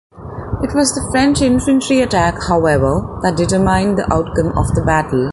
It was the French infantry attack, however, that determined the outcome of the battle.